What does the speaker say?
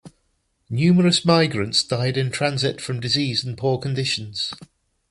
Numerous migrants died in transit from disease and poor conditions.